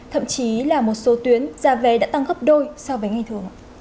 thậm chí là một số tuyến giá vé đã tăng gấp đôi so với ngày thường